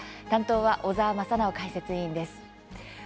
担当は小澤正修解説委員です。